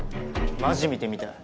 マジ見てみたい。